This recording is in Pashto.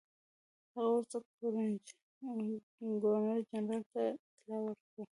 هغه وروسته ګورنرجنرال ته اطلاع ورکړه.